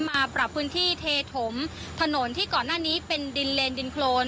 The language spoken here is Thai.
มาปรับพื้นที่เทถมถนนที่ก่อนหน้านี้เป็นดินเลนดินโครน